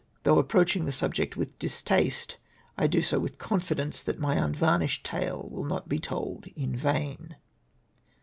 Though ap proaching the subject with distaste, I do so with confidence that my unvarnished tale will not be told in vain.